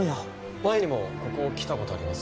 前にもここ来た事あります。